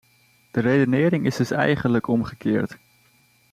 De redenering is dus eigenlijk omgekeerd.